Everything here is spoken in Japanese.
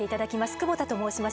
久保田と申します。